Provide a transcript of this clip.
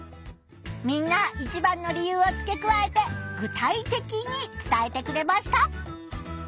みんな一番の理由をつけくわえて具体的に伝えてくれました。